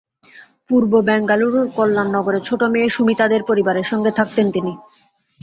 পূর্ব বেঙ্গালুরুর কল্যাণ নগরে ছোট মেয়ে সুমিতা দের পরিবারের সঙ্গে থাকতেন তিনি।